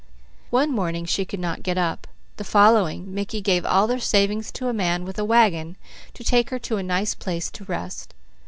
One morning she could not get up; the following Mickey gave all their savings to a man with a wagon to take her to a nice place to rest.